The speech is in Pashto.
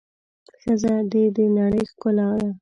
ښځه د د نړۍ ښکلا ده.